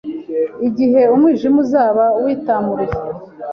igihe umwijima uzaba witamuruye